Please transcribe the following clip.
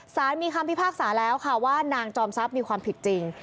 สารมีคำพิพากษาแล้วค่ะว่านางจอมทรัพย์มีความผิดจริง